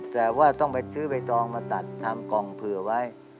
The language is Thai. แต่ว่าต้องไปซื้อใบตองมาตัดทำกล่องเผื่อไว้